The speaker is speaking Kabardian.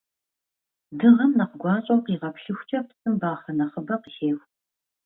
Дыгъэм нэхъ гуащӀэу къигъэплъыхукӀэ, псым бахъэ нэхъыбэ къыхеху.